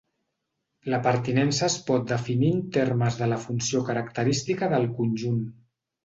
La pertinença es pot definir en termes de la funció característica del conjunt.